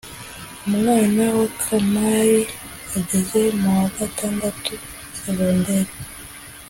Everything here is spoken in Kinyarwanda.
Umwana wakamari ageze mu wa gatatu segonderi